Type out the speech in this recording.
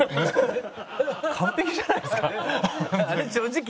完璧じゃないですか。